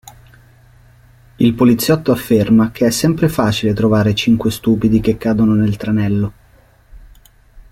Il poliziotto afferma che è sempre facile trovare cinque stupidi che cadono nel tranello.